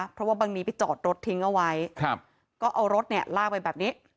เพราะว่าบังหนีไปจอดรถทิ้งเอาไว้ครับก็เอารถเนี่ยลากไปแบบนี้